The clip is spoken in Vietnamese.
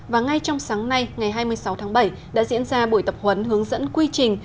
và ngay trong sáng nay ngày hai mươi sáu tháng bảy đã diễn ra buổi tập huấn hướng dẫn quy trình